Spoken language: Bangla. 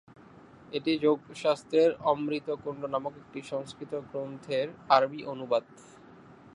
এটি যোগশাস্ত্রের অমৃতকুন্ড নামক একটি সংস্কৃত গ্রন্থের আরবি অনুবাদ।